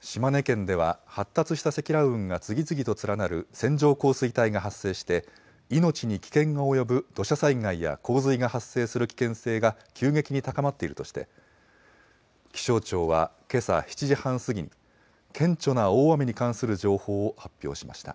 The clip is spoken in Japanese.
島根県では発達した積乱雲が次々と連なる線状降水帯が発生して命に危険が及ぶ土砂災害や洪水が発生する危険性が急激に高まっているとして気象庁はけさ７時半過ぎに顕著な大雨に関する情報を発表しました。